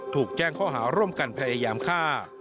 ถูกแจ้งข้อหาร่วมกันพยายามฆ่า